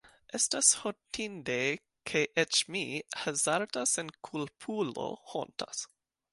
Estas hontinde, ke eĉ mi, hazarda senkulpulo, hontas.